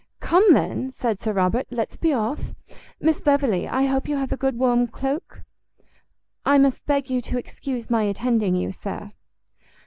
"Come then," said Sir Robert, "let's be off. Miss Beverley, I hope you have a good warm cloak?" "I must beg you to excuse my attending you, sir."